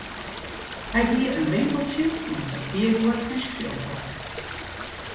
Hy hie in winkeltsje mei papierguod en skriuwark.